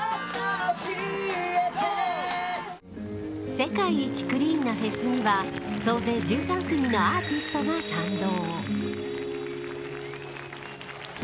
世界一クリーンなフェスには総勢１３組のアーティストが賛同。